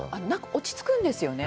落ち着くんですよね。